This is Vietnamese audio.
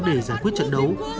để giải quyết trận đấu